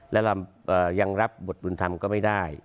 และเรายังรับบทบุญธรรมก็ไม่ได้